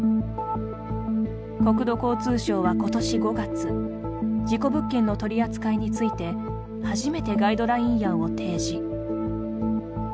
国土交通省はことし５月事故物件の取り扱いについて初めてガイドライン案を提示。